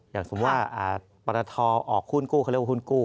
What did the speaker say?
อย่างสมมุติว่าปรทออกหุ้นกู้เขาเรียกว่าหุ้นกู้